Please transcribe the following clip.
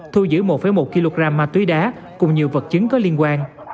thu giữ một một kg ma túy đá cùng nhiều vật chứng có liên quan